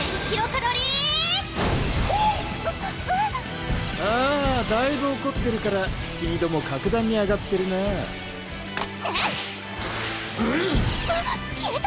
クッあぁだいぶおこってるからスピードも格段に上がってるなぁフッ！ウゥ！